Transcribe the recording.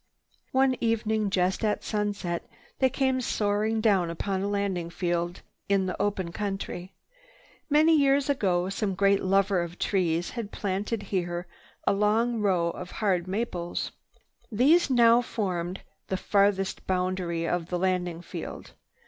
One evening just at sunset they came soaring down upon a landing field in the open country. Many years ago some great lover of trees had planted here a long row of hard maples. These now formed the farthest boundary of the landing field.